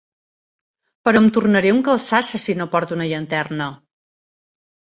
Però em tornaré un calçasses si no porto una llanterna.